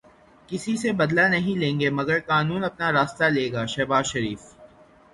کسی سے بدلہ نہیں لیں گے مگر قانون اپنا راستہ لے گا، شہباز شریف